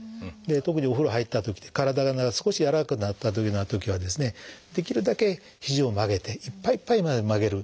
特にお風呂入ったときに体が少し柔らかくなったというようなときはできるだけひじを曲げていっぱいいっぱいまで曲げる。